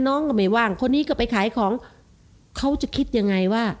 น้องก็ไม่ว่างคนนี้ก็ไปขายของเขาจะคิดยังไงว่า